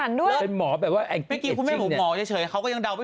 คนเปิดหาง่าย